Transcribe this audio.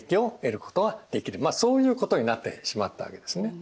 そういうことになってしまったわけですね。